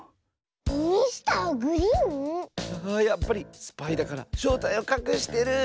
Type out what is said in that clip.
やっぱりスパイだからしょうたいをかくしてる！